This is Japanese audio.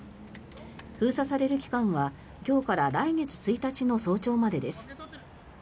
封鎖される期間は今日から来月１日の早朝までです。